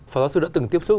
phó giáo sư đã từng tiếp xúc